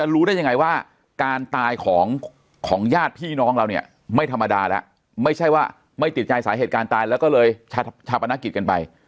รู้ได้ยังไงว่าการตายของญาติพี่น้องเราเนี่ยไม่ธรรมดาแล้วไม่ใช่ว่าไม่ติดใจสาเหตุการณ์ตายแล้วก็เลยชาปนกิจกันไป